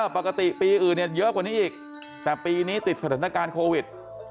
ปกติปีอื่นเยอะกว่านี้อีกแต่ปีนี้ติดสถานการณ์โควิด